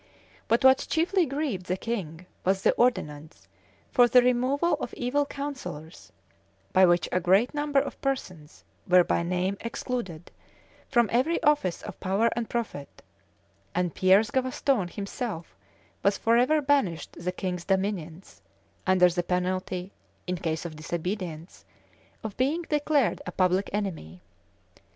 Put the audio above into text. But what chiefly grieved the king was the ordinance for the removal of evil counsellors, by which a great number of persons were by name excluded from every office of power and profit; and Piers Gavaston himself was forever banished the king's dominions, under the penalty, in case of disobedience, of being declared a public enemy.